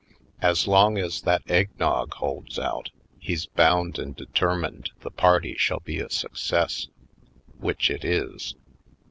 As long as that egg nog holds out he's bound and determined the party shall be a success. Which it is!